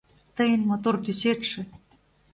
Тыйын мотор тӱсетше